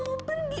aku gak mau pergi